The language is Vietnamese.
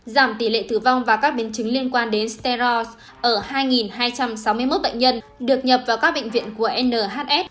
giảm tỷ lệ tử vong và các biến chứng liên quan đến sterres ở hai hai trăm sáu mươi một bệnh nhân được nhập vào các bệnh viện của nhs